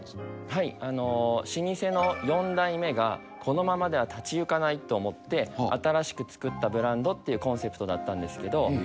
はい老舗の４代目がこのままでは立ち行かないと思って新しくつくったブランドっていうコンセプトだったんですけど